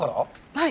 はい。